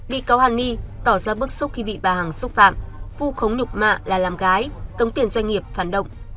bị cáo hàn ni tỏ ra bức xúc khi bị bà hằng xúc phạm vu khống nhục mạ là làm gái tống tiền doanh nghiệp phản động